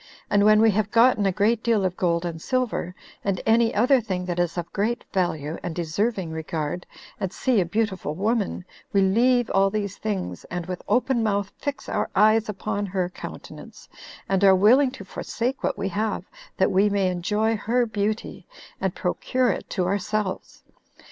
And when we have gotten a great deal of gold and silver, and any other thing that is of great value, and deserving regard, and see a beautiful woman, we leave all these things, and with open mouth fix our eyes upon her countenance, and are willing to forsake what we have, that we may enjoy her beauty, and procure it to ourselves.